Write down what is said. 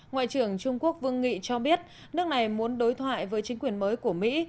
ngoại trưởng trung quốc vương nghị cho biết nước này muốn đối thoại với chính quyền mới của mỹ